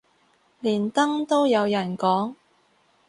連登都有人講